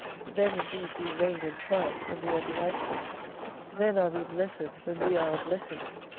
Then indeed we reign and triumph when we are delighted in. Then are we blessed when we are a blessing.